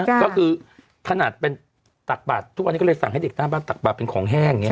ก็คือขนาดเป็นตักบาททุกวันนี้ก็เลยสั่งให้เด็กหน้าบ้านตักบาดเป็นของแห้งอย่างเง